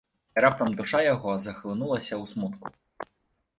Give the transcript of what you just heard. І раптам душа яго захлынулася ў смутку.